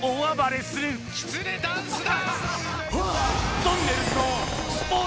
きつねダンスだ！